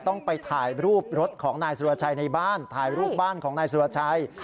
ต้องไปถ่ายรูปรถของนายสุรชัยในบ้านถ่ายรูปบ้านของนายสุรชัย